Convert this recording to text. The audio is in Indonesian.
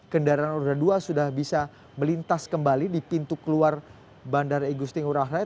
kendaraan udara dua sudah bisa melintas kembali di pintu keluar bandara igusti kura rebali